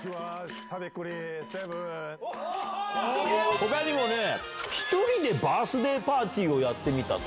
ほかにもね、１人でバースデーパーティーをやってみたと。